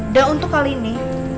dan untuk kali ini